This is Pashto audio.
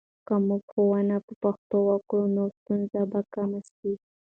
که موږ ښوونه په پښتو وکړو، نو ستونزې به کمې سي.